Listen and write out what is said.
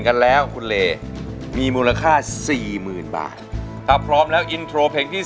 นอกจากมาโหลีแอบเห็นสายหัวอย่างนี้